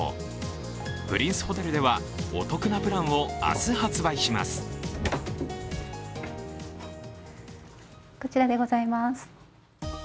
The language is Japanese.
プリンスホテルではお得なプランを明日発売します。